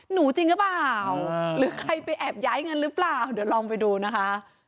จริงหรือเปล่าหรือใครไปแอบย้ายเงินหรือเปล่าเดี๋ยวลองไปดูนะคะ